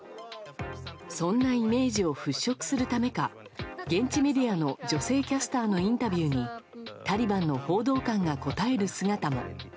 そんなイメージを払しょくするためか現地メディアの女性キャスターのインタビューにタリバンの報道官が答える姿も。